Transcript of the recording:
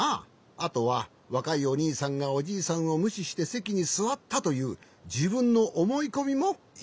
あとはわかいおにいさんがおじいさんをむししてせきにすわったというじぶんのおもいこみもいちめんじゃね。